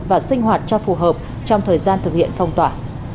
và sinh hoạt cho phù hợp trong thời gian thực hiện phong tỏa